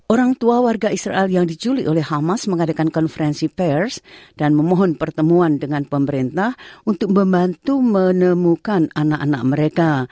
orang tua warga israel yang diculik oleh hamas mengadakan konferensi pers dan memohon pertemuan dengan pemerintah untuk membantu menemukan anak anak mereka